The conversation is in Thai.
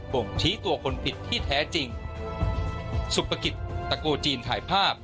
บ่งชี้ตัวคนผิดที่แท้จริงสุปกิจตะโกจีนถ่ายภาพ